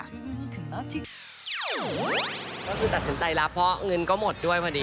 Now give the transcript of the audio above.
ก็คือตัดสินใจรับเพราะเงินก็หมดด้วยพอดี